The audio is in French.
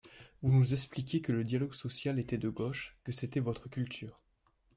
Vous nous expliquiez que le dialogue social était de gauche, que c’était votre culture.